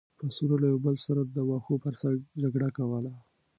پسونو له یو بل سره د واښو پر سر جګړه کوله.